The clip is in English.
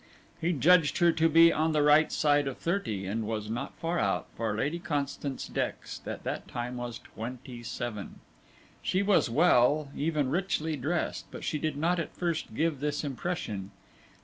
He judged her to be on the right side of thirty, and was not far out, for Lady Constance Dex at that time was twenty seven. She was well, even richly, dressed, but she did not at first give this impression.